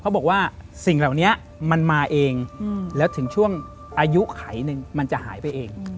เขาบอกว่าสิ่งเหล่านี้มันมาเองแล้วถึงช่วงอายุไขหนึ่งมันจะหายไปเอง